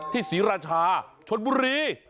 ศรีราชาชนบุรี